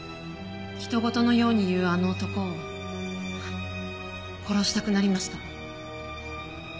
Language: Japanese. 人ごとのように言うあの男を殺したくなりました。